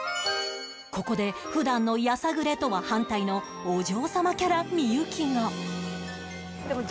ここで普段のやさぐれとは反対のお嬢様キャラ幸が